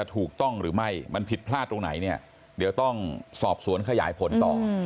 ถูกต้องหรือไม่มันผิดพลาดตรงไหนเนี่ยเดี๋ยวต้องสอบสวนขยายผลต่อ